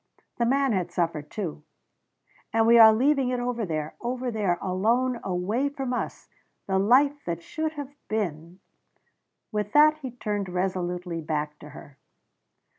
The man had suffered too. "And we are leaving it over there over there, alone away from us the life that should have been " With that he turned resolutely back to her.